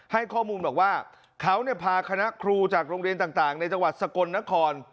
ให้ข้อมูลบอกว่าเขาพาคณะครูจากโรงเรียนต่างในจังหวัดสกลนคร